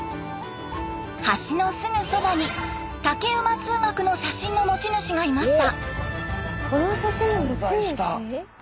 橋のすぐそばに竹馬通学の写真の持ち主がいました。